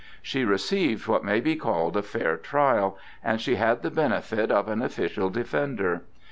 She received what may be called a fair trial and she had the benefit of an official defender.